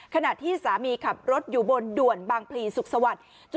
ขณะที่สามีขับรถอยู่บนด่วนบางพลีสุขสวัสดิ์